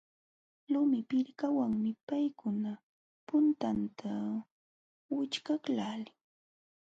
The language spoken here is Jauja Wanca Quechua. Lumi pirkawanmi paykuna puntunta wićhqaqlaalin.